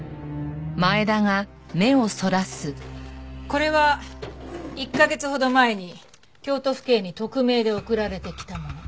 これは１カ月ほど前に京都府警に匿名で送られてきたもの。